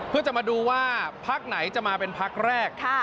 เพื่อจะมาดูว่าพักไหนจะมาเป็นพักแรก